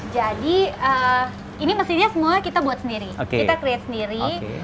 jadi ini mesinnya semua kita buat sendiri kita create sendiri